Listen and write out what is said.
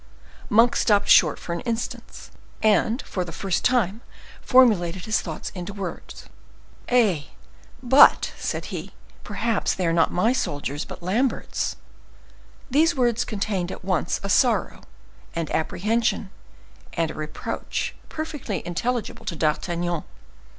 Monk stopped short for an instant, and, for the first time, formulated his thoughts into words. "Eh! but," said he, "perhaps they are not my soldiers but Lambert's." These words contained at once a sorrow, and apprehension, and a reproach perfectly intelligible to D'Artagnan.